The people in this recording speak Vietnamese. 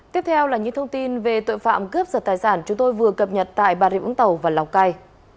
tiếp theo là những thông tin về tội phạm cướp giật tài sản chúng tôi vừa cập nhật tại bà rịa vũng tàu và lào cai